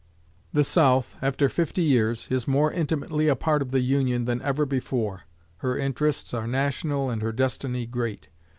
The South, after fifty years, is more intimately a part of the Union than ever before. Her interests are national and her destiny great.